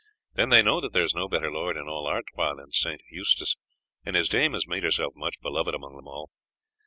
Then they know that there is no better lord in all Artois than Sir Eustace, and his dame has made herself much beloved among them all.